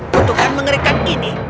kau harus mengerikan ini